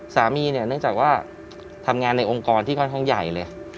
สามีเนี่ยเนื่องจากว่าทำงานในองค์กรที่ค่อนข้างใหญ่เลย